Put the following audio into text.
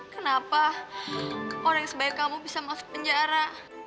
kenapa orang sebaik kamu bisa masuk penjara